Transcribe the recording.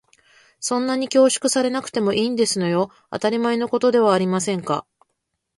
そんなに恐縮されなくてもいいんですのよ。当たり前のことではありませんか。